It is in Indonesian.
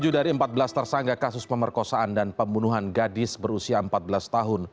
tujuh dari empat belas tersangka kasus pemerkosaan dan pembunuhan gadis berusia empat belas tahun